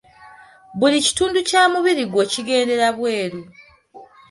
Buli kitundu kya mubiri gwo kigendera bwelu.